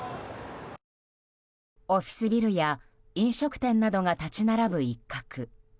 オフィスビルや飲食店などが立ち並ぶ一角。